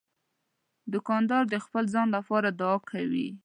دوکاندار د خپل ځان لپاره دعا کوي.